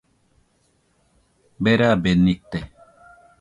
Berabe nite